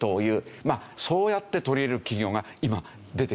まあそうやって取り入れる企業が今出てきてるそうですね。